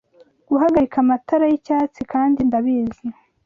Guhagarika amatara yicyatsi kandi ndabizi